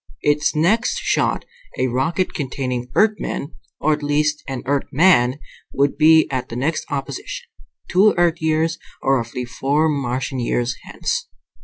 Its next shot, a rocket containing Earthmen, or at least an Earthman, would be at the next opposition, two Earth years, or roughly four Martian years, hence.